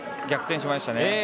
逆転しましたね。